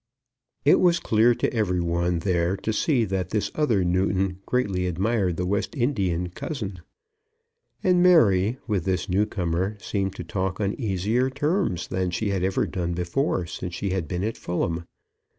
It was clear to every one there to see that this other Newton greatly admired the West Indian cousin. And Mary, with this newcomer, seemed to talk on easier terms than she had ever done before since she had been at Fulham.